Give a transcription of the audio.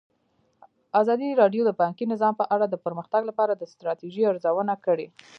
ازادي راډیو د بانکي نظام په اړه د پرمختګ لپاره د ستراتیژۍ ارزونه کړې.